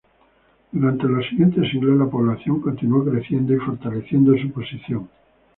Durante los siguientes siglos la población continuó creciendo y fortaleciendo su posición.